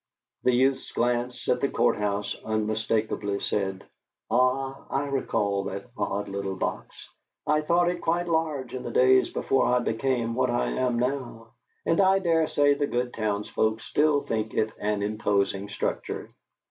The youth's glance at the court house unmistakably said: "Ah, I recall that odd little box. I thought it quite large in the days before I became what I am now, and I dare say the good townsfolk still think it an imposing structure!"